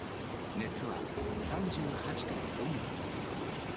熱は３８．４度に。